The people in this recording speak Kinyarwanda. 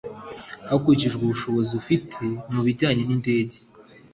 hakurikijwe ubushobozi afite mu bijyanye n indege